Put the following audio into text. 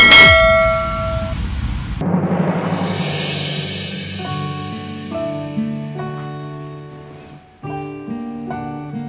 bahwa dia mesti men youtub star